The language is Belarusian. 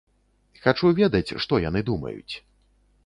Хачу ведаць, што яны думаюць.